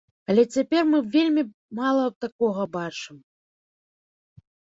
Але цяпер мы вельмі мала такога бачым.